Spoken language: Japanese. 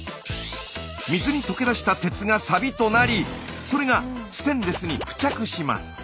水に溶け出した鉄がサビとなりそれがステンレスに付着します。